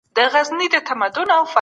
پخواني صنعتکاران څنګه روزل کيدل؟